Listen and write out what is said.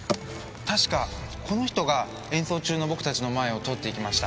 確かこの人が演奏中の僕たちの前を通っていきました。